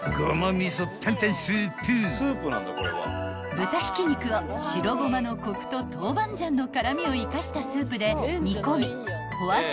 ［豚ひき肉を白胡麻のコクと豆板醤の辛味を生かしたスープで煮込み花椒